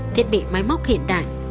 thiết bị máy móc hiện đại